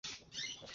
ফিরে আয় এখানে।